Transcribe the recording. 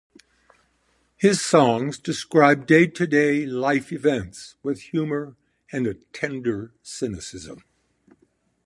His songs describe day-to-day life events with humour and a tender cynicism.